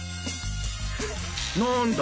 何だ？